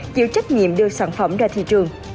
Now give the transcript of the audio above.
chịu trách nhiệm đưa sản phẩm ra thị trường